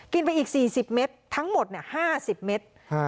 ไปอีก๔๐เม็ดทั้งหมด๕๐เมตร